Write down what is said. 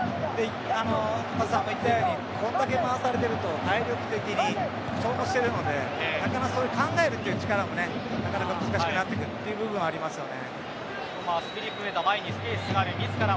小野さんも言ったようにこれだけ回されていると体力的に消耗してるのでなかなか考えるという力も難しくなってくるという部分はありますよね。